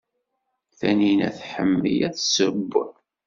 Tanina tḥemmel ad tesseww?